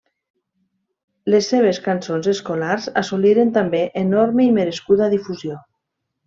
Les seves cançons escolars assoliren també enorme i merescuda difusió.